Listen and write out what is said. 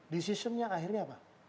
decisionnya akhirnya apa